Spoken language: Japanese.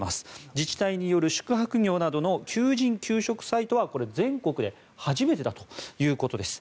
自治体による宿泊業などの求人・求職サイトはこれ、全国で初めてだということです。